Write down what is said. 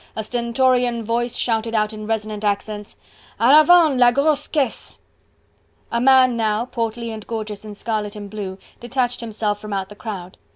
A stentorian voice shouted out in resonant accents: "En avant, la grosse caisse!" A man now, portly and gorgeous in scarlet and blue, detached himself from out the crowd.